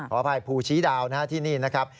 อภัยภูชีดาวนะฮะที่นี่นะครับ